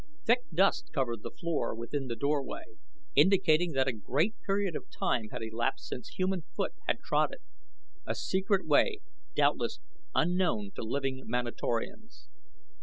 Thick dust covered the floor within the doorway, indicating that a great period of time had elapsed since human foot had trod it a secret way, doubtless, unknown to living Manatorians.